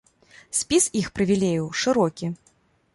Спіс іх прывілеяў шырокі.